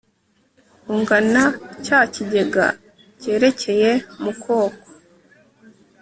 ungana cya kigega kerekeye mu koko